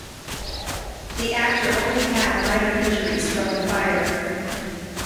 The actor only had minor injuries from the fire.